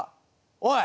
「おい！